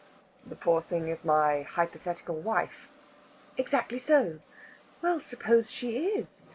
"The poor thing is my hypothetical wife?" "Exactly so. Well, suppose she is.